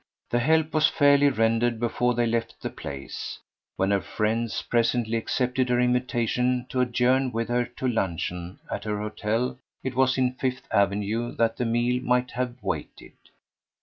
The help was fairly rendered before they left the place; when her friends presently accepted her invitation to adjourn with her to luncheon at her hotel it was in Fifth Avenue that the meal might have waited.